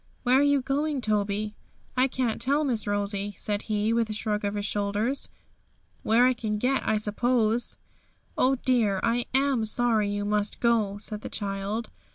'Where are you going, Toby?' 'I can't tell, Miss Rosie,' said he, with a shrug of his shoulders; 'where I can get, I suppose.' 'Oh dear! I am sorry you must go!' said the child.